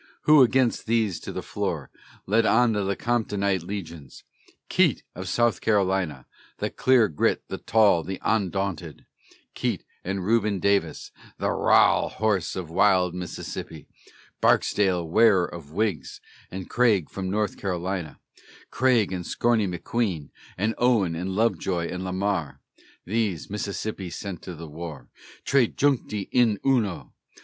Who against these to the floor led on the Lecomptonite legions? Keitt of South Carolina, the clear grit, the tall, the ondaunted Keitt and Reuben Davis, the ra'al hoss of wild Mississippi; Barksdale, wearer of wigs, and Craige from North Carolina; Craige and scorny McQueen, and Owen, and Lovejoy, and Lamar, These Mississippi sent to the war, "tres juncti in uno."